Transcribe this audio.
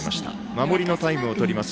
守りのタイムをとります